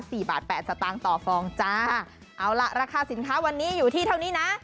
สี่บาทแปดสตางค์ต่อฟองจ้าเอาล่ะราคาสินค้าวันนี้อยู่ที่เท่านี้นะ